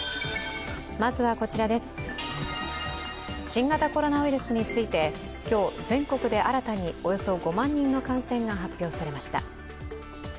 新型コロナウイルスについて今日全国で新たにおよそ５万人の感染が発表されました。